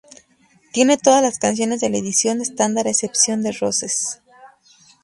Tiene todas las canciones de la edición estándar a excepción de "Roses".